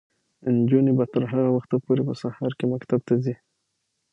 نجونې به تر هغه وخته پورې په سهار کې مکتب ته ځي.